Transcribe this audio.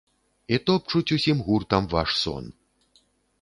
І топчуць усім гуртам ваш сон.